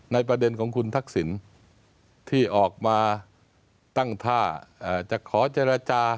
ประเด็นของคุณทักษิณที่ออกมาตั้งท่าจะขอเจรจา